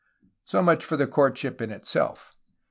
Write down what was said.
So much for the courtship in itself.